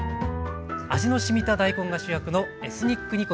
味のしみた大根が主役のエスニック煮込み。